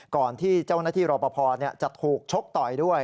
ก่อนที่เจ้าหน้าที่รอปภจะถูกชกต่อยด้วย